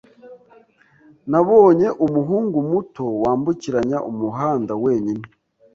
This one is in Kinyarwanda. Nabonye umuhungu muto wambukiranya umuhanda wenyine.